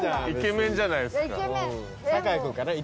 イケメンじゃないですか。